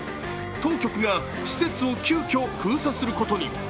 当局が施設を急きょ、封鎖することに。